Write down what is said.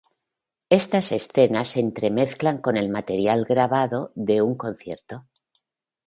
Estas escenas se entremezclan con el material grabado de un concierto.